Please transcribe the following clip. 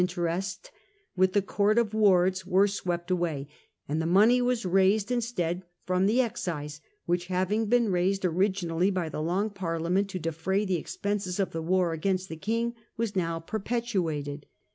interest, with the Court of Wards were swept away, and the money was raised instead from the excise which, hciving been raised originally by the Long Parlia ment to defray the expenses of the war against the King, was now perpetuated.